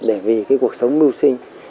để vì cái cuộc sống lưu sinh